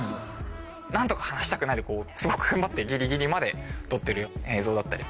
何とか放したくないのですごく踏ん張ってぎりぎりまでとってる映像だったり。